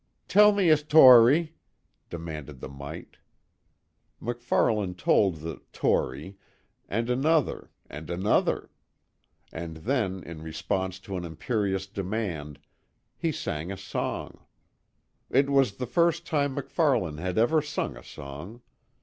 "Tell me a 'tory," demanded the mite. MacFarlane told the "'tory" and another, and another. And then, in response to an imperious demand, he sang a song. It was the first time MacFarlane had ever sung a song.